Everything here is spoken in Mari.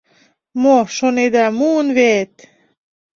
Мо шонеда, муын вет!